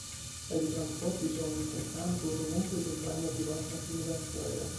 Weil die Transportsicherung nicht entfernt wurde, rumpelt und wandert die Waschmaschine beim Schleudern.